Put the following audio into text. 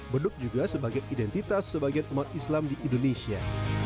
beduk juga sebagai identitas sebagian umat islam di indonesia